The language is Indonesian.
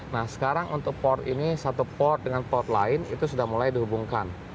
nah sekarang untuk port ini satu port dengan port lain itu sudah mulai dihubungkan